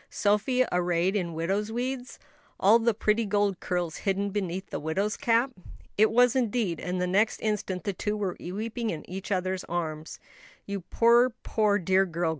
Sophie arrayed in widow's weeds. All the pretty golden curls hidden beneath the widow's cap? It was indeed, and the next instant the two were weeping in each other's arms. "You poor, poor dear girl!